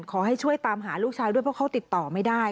ขอให้ช่วยตามหาลูกชายด้วยเพราะเขาติดต่อไม่ได้